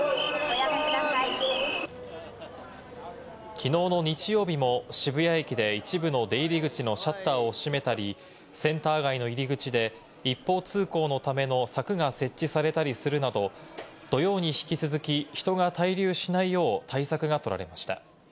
きのうの日曜日も渋谷駅で一部の出入り口のシャッターを閉めたり、センター街の入り口で一方通行のための柵が設置されたりするなど、土曜に引き続き、人が滞留しないよう、対策がとられました。